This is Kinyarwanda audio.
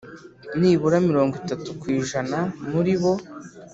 Nibura mirongo itatu ku ijana muri bo